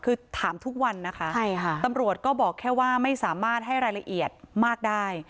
คือถามทุกวันนะคะใช่ค่ะตำรวจก็บอกแค่ว่าไม่สามารถให้รายละเอียดมากได้